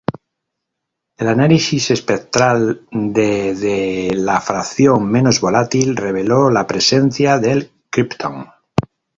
El análisis espectral de de la fracción menos volátil reveló la presencia del kriptón.